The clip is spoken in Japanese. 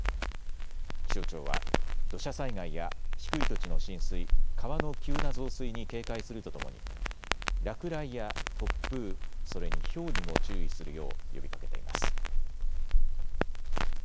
気象庁は土砂災害や低い土地の浸水、川の急な増水に警戒するとともに落雷や突風、それにひょうにも注意するよう呼びかけています。